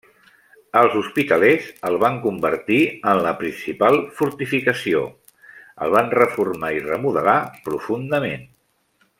Els hospitalers el van convertir en la principal fortificació, el van reformar i remodelar profundament.